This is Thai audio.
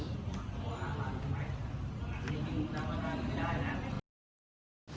โปรดติดตามตอนต่อไป